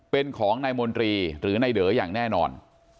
เป็นของนายมนตรีหรือนายเด๋ออย่างแน่นอน